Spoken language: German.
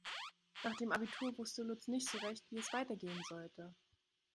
Nach dem Abitur wusste Lutz nicht so recht, wie es weitergehen sollte.